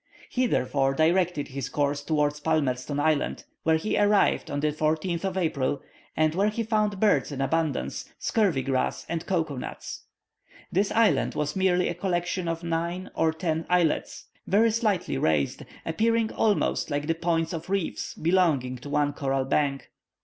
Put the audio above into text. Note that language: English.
He therefore, directed his course towards Palmerston Island, where he arrived on the 14th of April, and where he found birds in abundance, scurvy grass, and cocoa nuts. This island was merely a collection of nine or ten islets, very slightly raised, appearing almost like the points of reefs, belonging to one coral bank.